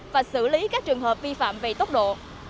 và xử lý các trường hợp vi phạm về tốc độ